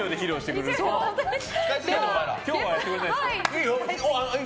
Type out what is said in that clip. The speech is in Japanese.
今日はやってくれないんですか？